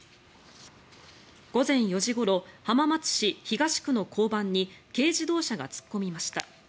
午前４時ごろ浜松市東区の交番に軽自動車が突っ込みました。